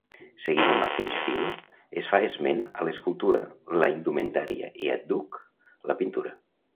Seguint el mateix fil, es fa esment a l'escultura, la indumentària i, àdhuc, la pintura.